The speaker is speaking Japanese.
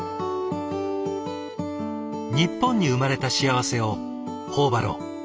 日本に生まれた幸せを頬張ろう。